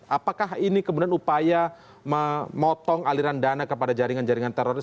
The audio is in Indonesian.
apakah ini kemudian upaya memotong aliran dana kepada jaringan jaringan teroris